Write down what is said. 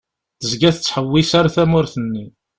Tezga tettḥewwis ar tmurt-nni.